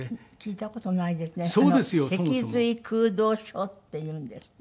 脊髄空洞症っていうんですって？